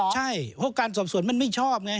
ใช่เพราะการสอบสวนมันไม่ชอบไง